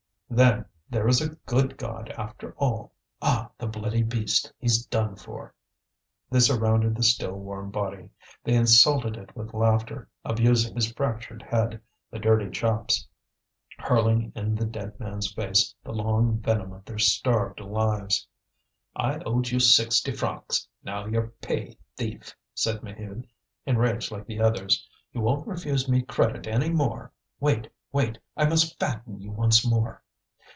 "Then there is a good God, after all! Ah! the bloody beast, he's done for!" They surrounded the still warm body. They insulted it with laughter, abusing his fractured head, the dirty chops, hurling in the dead man's face the long venom of their starved lives. "I owed you sixty francs, now you're paid, thief!" said Maheude, enraged like the others. "You won't refuse me credit any more. Wait! wait! I must fatten you once more!"